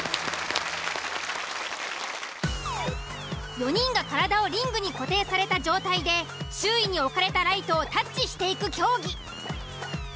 ４人が体をリングに固定された状態で周囲に置かれたライトをタッチしていく競技。